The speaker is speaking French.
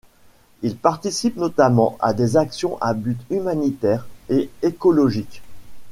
Il participe notamment à des actions à but humanitaires et écologiques.